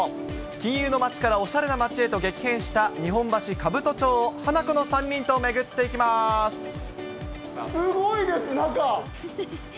金融の街からおしゃれな街へと激変した日本橋兜町をハナコの３人すごいです、中。